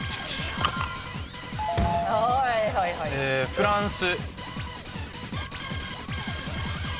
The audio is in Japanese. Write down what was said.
フランス。